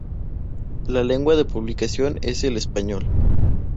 La lengua de publicación es el español.